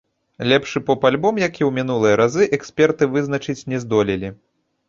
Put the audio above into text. Лепшы поп-альбом, як і ў мінулыя разы, эксперты вызначыць не здолелі.